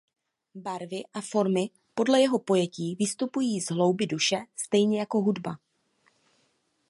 Barvy a formy podle jeho pojetí vystupují z hloubi duše stejně jako hudba.